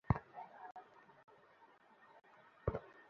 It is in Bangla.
আমাদের দেখে কী তোমার চোর, ডাকাত মনে হয়।